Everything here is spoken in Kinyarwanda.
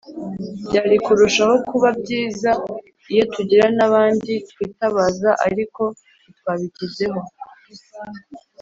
Byari kurushaho kuba byiza iyo tugira n'abandi twitabaza, ariko ntitwabigizeho